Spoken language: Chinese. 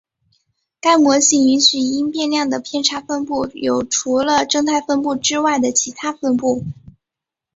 该模型允许因变量的偏差分布有除了正态分布之外的其它分布。